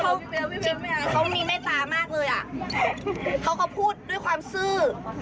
เขามีแม่ตามากเลยเขาก็พูดด้วยความสื้อ